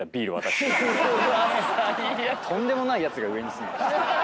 とんでもないやつが上に住んでました。